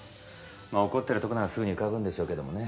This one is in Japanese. まあ怒ってるとこならすぐに浮かぶんでしょうけどもね。